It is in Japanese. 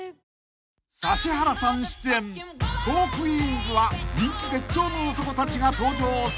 ［指原さん出演『トークィーンズ』は人気絶頂の男たちが登場スペシャル］